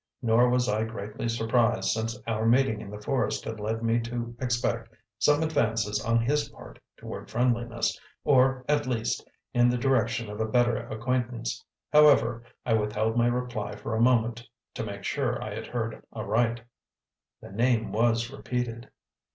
Nor was I greatly surprised, since our meeting in the forest had led me to expect some advances on his part toward friendliness, or, at least, in the direction of a better acquaintance. However, I withheld my reply for a moment to make sure I had heard aright. The name was repeated.